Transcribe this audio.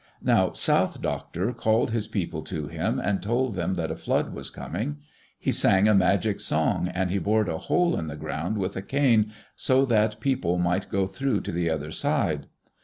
Now South Doctor called his people to him and told them that a flood was coming. He sang a magic song and he bored a hole in the ground with a cane so that people might go through to the other side.